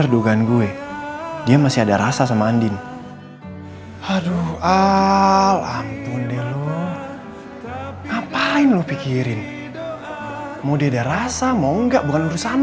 lepasin baju saya lecek